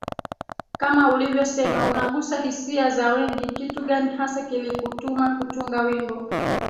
kama ulivyosema unagusa hisia za wengi Kitu gani hasa kilikutuma kutunga wimbo